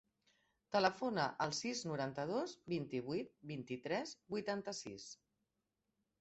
Telefona al sis, noranta-dos, vint-i-vuit, vint-i-tres, vuitanta-sis.